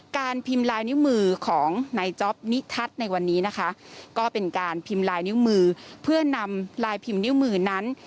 การพิมพ์ลายนิ้วมือของนายจ๊อปนิทัศน์ในวันนี้นะคะก็เป็นการพิมพ์ลายนิ้วมือเพื่อนำลายพิมพ์นิ้วมือนั้น